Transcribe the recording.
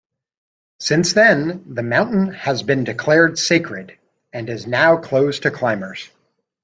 Since then, the mountain has been declared sacred, and is now closed to climbers.